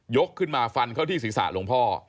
ยกขึ้นมาฟันเขาที่ศีรษะลูกพ่อ